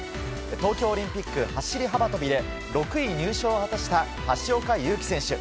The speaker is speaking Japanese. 東京オリンピック走り幅跳びで６位入賞を果たした橋岡優輝選手。